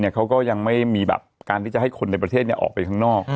เขาก็ยังไม่มีแบบการที่จะให้คนในประเทศออกไปข้างนอก